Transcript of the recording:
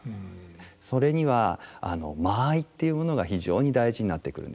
それには間合いというものが非常に大事になってくるんですね。